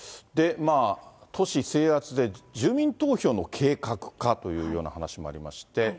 都市制圧で住民投票の計画かというような話もありまして。